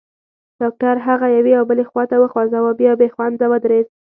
ډاکټر هغه یوې او بلې خواته وخوځاوه، بیا بېخونده ودرېد.